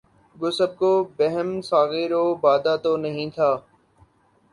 گو سب کو بہم ساغر و بادہ تو نہیں تھا